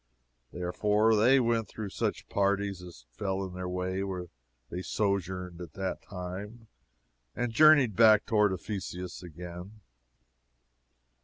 Therefore they went through such parties as fell in their way where they sojourned at that time, and journeyed back toward Ephesus again.